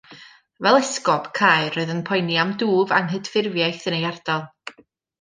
Fel Esgob Caer, roedd yn poeni am dwf Anghydffurfiaeth yn ei ardal.